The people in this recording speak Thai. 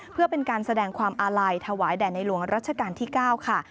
เพื่อเป็นการแสดงความอาลัยถวายแด่ในหลวงรัชกาลที่๙ค่ะ